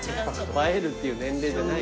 映えるっていう年齢じゃない。